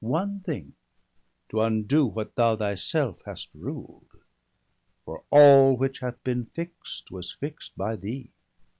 One thing — to undo what thou thyself hast ruled. For all which hath been fixt, was fixt by thee.